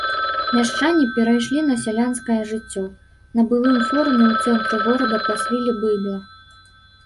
Мяшчане перайшлі на сялянскае жыццё, на былым форуме ў цэнтры горада пасвілі быдла.